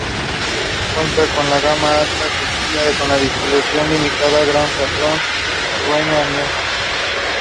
The correspondence which he collected is now held by the Imperial War Museum.